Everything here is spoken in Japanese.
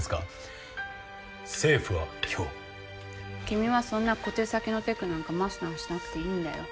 君はそんな小手先のテクなんかマスターしなくていいんだよ。